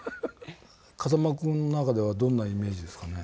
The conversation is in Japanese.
風間君の中ではどんなイメージですかね。